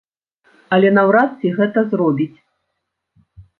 Але наўрад ці гэта зробіць.